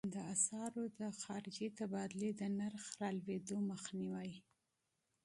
د اسعارو د خارجې تبادلې د نرخ د رالوېدو مخنیوی.